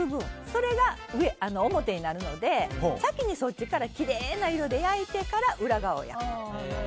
それが表になるので先にそっちからきれいな色で焼いてから裏側を焼く。